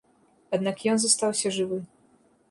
Аднак ён застаўся жывы.